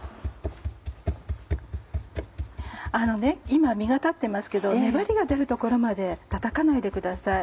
今身が立ってますけど粘りが出るところまでたたかないでください。